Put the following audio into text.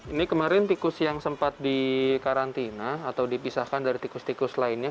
ini kemarin tikus yang sempat dikarantina atau dipisahkan dari tikus tikus lainnya